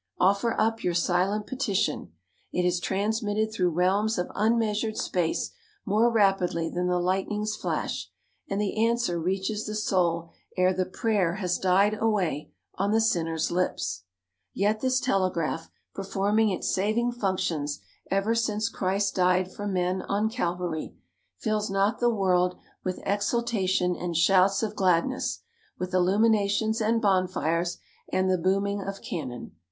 Offer up your silent petition. It is transmitted through realms of unmeasured space more rapidly than the lightning's flash, and the answer reaches the soul e're the prayer has died away on the sinner's lips. Yet this telegraph, performing its saving functions ever since Christ died for men on Calvary, fills not the world with exultation and shouts of gladness, with illuminations and bonfires and the booming of cannon.